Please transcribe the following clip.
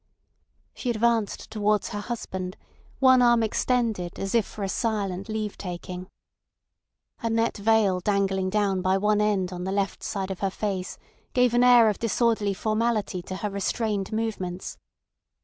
She advanced towards her husband, one arm extended as if for a silent leave taking. Her net veil dangling down by one end on the left side of her face gave an air of disorderly formality to her restrained movements.